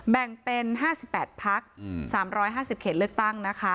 แบ่งเป็นห้าสิบแปดพักสามร้อยห้าสิบเขตเลือกตั้งนะคะ